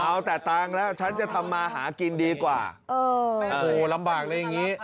เอาแต่ตังค์แล้วฉันจะทำมาหากินดีกว่าโอ้โหลำบากเลยอย่างนี้